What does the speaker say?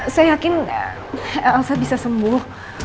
saya yakin elsa bisa sembuh